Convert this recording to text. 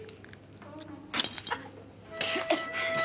あっ！